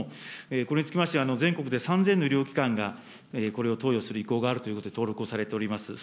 、これにつきましては、全国で３０００の医療機関がこれを投与する意向があるということで登録をされております。